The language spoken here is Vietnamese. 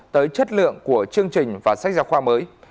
tới chất lượng của chương trình và sách giáo khoa mới